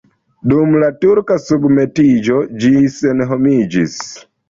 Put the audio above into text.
Dum la turka submetiĝo ĝi senhomiĝis.